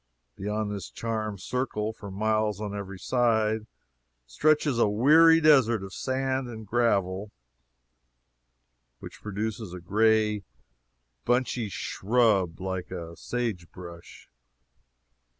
Beyond this charmed circle, for miles on every side, stretches a weary desert of sand and gravel, which produces a gray bunchy shrub like sage brush.